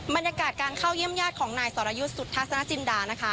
บรรยากาศการเข้าเยี่ยมญาติของนายสรยุทธ์สุทัศนจินดานะคะ